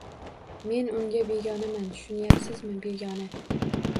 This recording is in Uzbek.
Men unga begonaman, tushunyapsizmi, begona